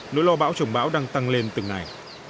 nỗi lo bão chổng bão đang tăng lên từng này